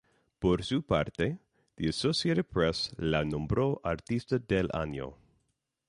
Por su parte, "The Associated Press" la nombró Artista del Año.